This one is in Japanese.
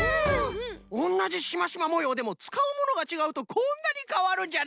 おんなじシマシマもようでもつかうものがちがうとこんなにかわるんじゃな。